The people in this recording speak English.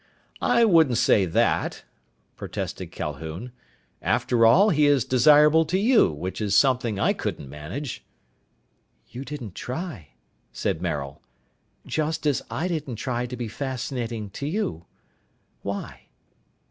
"I wouldn't say that," protested Calhoun. "After all, he is desirable to you, which is something I couldn't manage." "You didn't try," said Maril. "Just as I didn't try to be fascinating to you. Why?"